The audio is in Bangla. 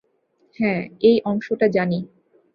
হ্যাঁ, এই অংশটা জানি।